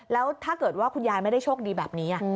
แล้วถ้าเกิดว่าคุณยายไม่ได้โชคดีแบบนี้